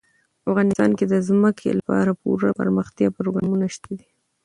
افغانستان کې د ځمکه لپاره پوره دپرمختیا پروګرامونه شته دي.